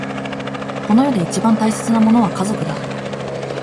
この世で一番大切なものは家族だ。